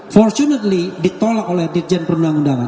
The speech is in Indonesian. fortunately ditolak oleh dirjen perundang undangan